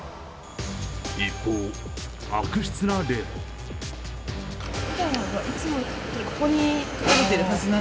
一方、悪質な例も。